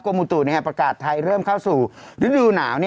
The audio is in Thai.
มุตุประกาศไทยเริ่มเข้าสู่ฤดูหนาว